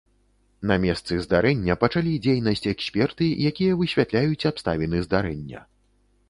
На месцы здарэння пачалі дзейнасць эксперты, якія высвятляюць абставіны здарэння.